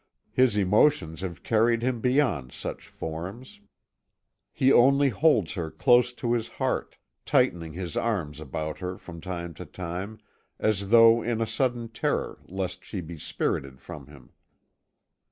His emotions have carried him beyond such forms. He only holds her close to his heart, tightening his arms about her from time to time, as though in a sudden terror lest she be spirited from him.